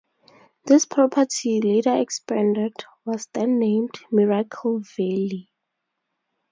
This property, later expanded, was then named Miracle Valley.